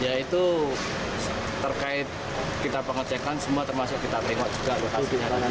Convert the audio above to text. ya itu terkait kita pengecekan semua termasuk kita remote juga